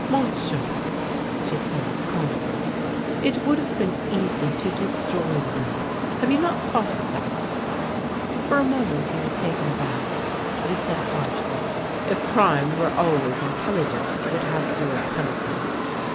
"" JMonsieur," she said calmly, " it would have been easy to destrov the will. Plave you not thought of that?" For a moment he was taken aback, but he said harshly: " If crime were always intelligent it would have fewer penalties."